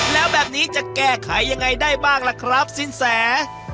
แล้วแบบนี้จะแก้ไขยังไงได้บ้างล่ะครับสินแส